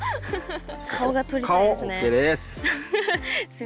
顔が撮りたいですね。